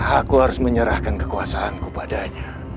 aku harus menyerahkan kekuasaanku padanya